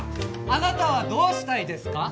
あなたはどうしたいですか？